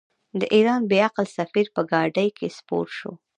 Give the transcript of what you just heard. د ایران بې عقل سفیر په ګاډۍ کې سپور شو.